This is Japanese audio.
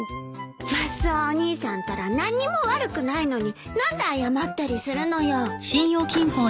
マスオお兄さんったら何にも悪くないのに何で謝ったりするのよ。